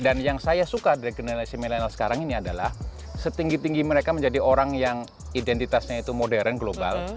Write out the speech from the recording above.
jadi yang saya suka dari generasi milenial sekarang ini adalah setinggi tinggi mereka menjadi orang yang identitasnya itu modern global